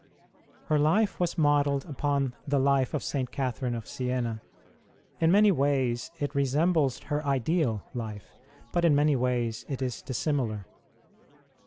Her life was modelled upon the life of St. Catherine of Siena. In many 14 INTRODUCTION ways it resembles her ideal life, but in many ways it is dissimilar.